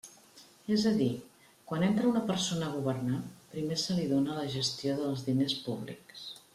És a dir, quan entra una persona a governar, primer se li dóna la gestió dels diners públics.